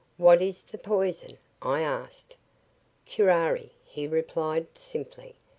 "What is the poison?" I asked. "Curari," he replied simply.